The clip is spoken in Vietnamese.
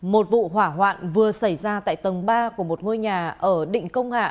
một vụ hỏa hoạn vừa xảy ra tại tầng ba của một ngôi nhà ở định công hạ